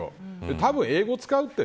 たぶん英語を使うって